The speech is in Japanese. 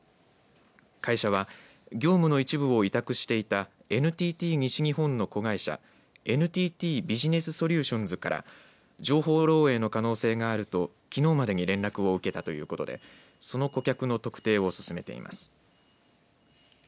会社は業務の一部を委託していたＮＴＴ西日本の子会社ＮＴＴビジネスソリューションズから情報漏えいの可能性があるときのうまでに連絡を受けたということでその顧客の特定を進めています。